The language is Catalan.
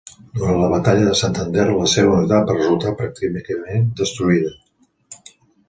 Durant la batalla de Santander la seva unitat va resultar pràcticament destruïda.